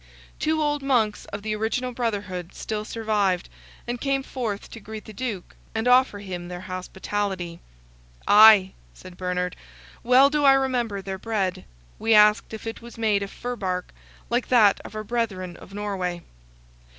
Two old monks, of the original brotherhood, still survived, and came forth to greet the Duke, and offer him their hospitality. "Ay!" said Bernard, "well do I remember their bread; we asked if it was made of fir bark, like that of our brethren of Norway."